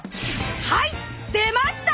はい出ました